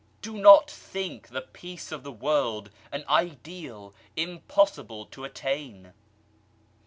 Do not think the Peace of the world an Ideal impossible to attain